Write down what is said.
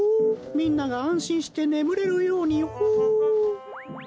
みんながあんしんしてねむれるようにホー。